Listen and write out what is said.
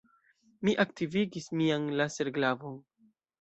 Mi aktivigis mian laserglavon.